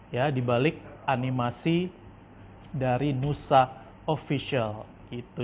ya dibalik animasi dari nusa official gitu